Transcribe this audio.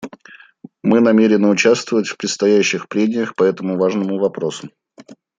Мы намерены участвовать в предстоящих прениях по этому важному вопросу.